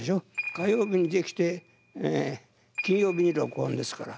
火曜日にできて金曜日に録音ですから。